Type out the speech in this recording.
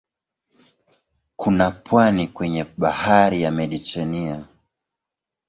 Kuna pwani kwenye bahari ya Mediteranea.